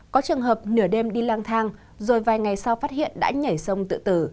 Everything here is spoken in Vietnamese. có trường hợp nửa đêm đi lang thang rồi vài ngày sau phát hiện đã nhảy sông tự tử